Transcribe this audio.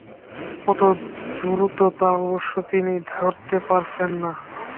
কত দ্রুত তা অবশ্যি তিনি ধরতে পারছেন না।